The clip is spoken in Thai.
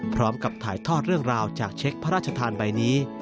พร้อมกับถ่ายทอดเรื่องราวจากเช็คพระราชทานใบนี้